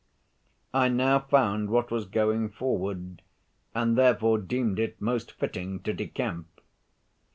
I now found what was going forward, and therefore deemed it most fitting to decamp.